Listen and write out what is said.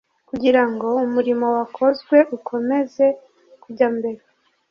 kugira ngo umurimo wakozwe ukomeze kujya mbere.